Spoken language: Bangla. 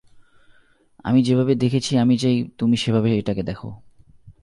আমি যেভাবে দেখেছি আমি চাই তুমি সেভাবে এটাকে দেখো।